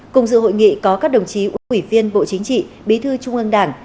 cùng dự hội nghị có các đồng chí ủy viên bộ chính trị bí thư trung ương đảng